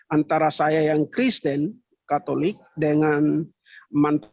antara saya yang kristen katolik dengan mantan